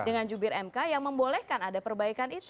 dengan jubir mk yang membolehkan ada perbaikan itu